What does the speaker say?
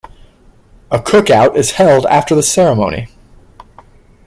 A cookout is held after the ceremony.